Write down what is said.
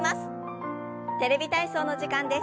「テレビ体操」の時間です。